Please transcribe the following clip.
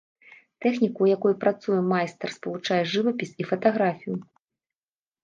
Тэхніка, ў якой працуе майстар, спалучае жывапіс і фатаграфію.